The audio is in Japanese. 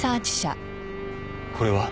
これは？